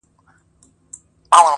• تاته هم یو زر دیناره درکومه,